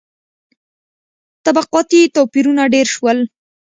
• طبقاتي توپیرونه ډېر شول.